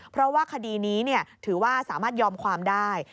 เพราะว่าคดีนี้ถือว่าสามารถยอมความได้